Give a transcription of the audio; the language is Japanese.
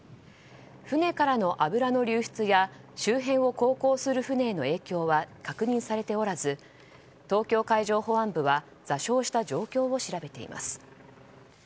船からの油の流出や周辺を航行する船への影響は確認されておらず東京海上保安部は座礁した状況を調べています。